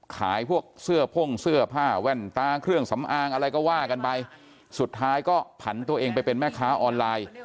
ขายพวกเสื้อพ่งเสื้อผ้าแว่นตาเครื่องสำอางอะไรก็ว่ากันไปสุดท้ายก็ผันตัวเองไปเป็นแม่ค้าออนไลน์